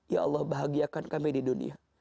ya allah bahagiakan kami di dunia